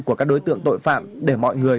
của các đối tượng tội phạm để mọi người